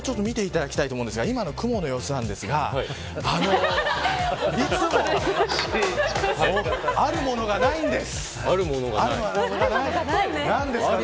向井さん、これを見ていただきたいんですが今の雲の様子ですがいつもあるものがないんです。